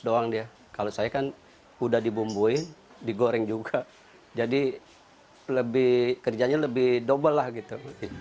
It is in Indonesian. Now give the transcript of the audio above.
doang dia kalau saya kan udah dibumbuin digoreng juga jadi lebih kerjanya lebih double lah gitu